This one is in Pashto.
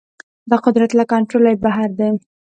دا قدرت له کنټروله يې بهر دی.